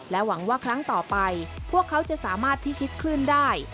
หวังว่าครั้งต่อไปพวกเขาจะสามารถพิชิตคลื่นได้